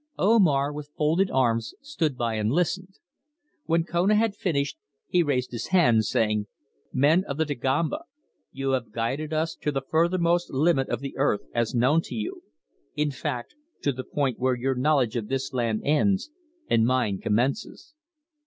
Omar, with folded arms, stood by and listened. When Kona had finished he raised his hand, saying: "Men of the Dagomba. You have guided us to the furthermost limit of the earth as known to you; in fact to the point where your knowledge of this land ends and mine commences.